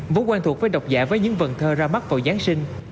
vốn quen thuộc với độc giả với những vần thơ ra mắt vào giáng sinh